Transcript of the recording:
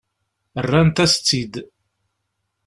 Rrant-as-tt-id.